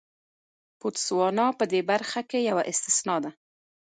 بوتسوانا په دې برخه کې یوه استثنا ده.